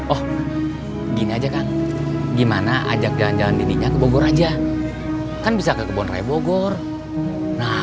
oh gini aja kan gimana ajak jalan jalan dininya ke bogor aja kan bisa ke kebun raya bogor nah